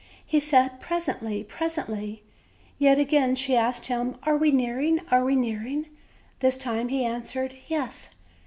He said: "Presently, presently." Yet again she asked him: "Are we nearing, are we nearing?" This time he answered: "Yes."